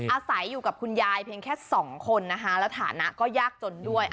อาศัยอยู่กับคุณยายเพียงแค่สองคนนะคะแล้วฐานะก็ยากจนด้วย